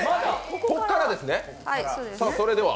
ここからですね。